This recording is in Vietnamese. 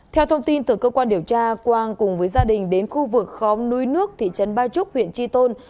theo thông tin từ cơ quan điều tra quang cùng với gia đình đến khu vực khóm núi nước thị trấn ba trúc huyện tri tôn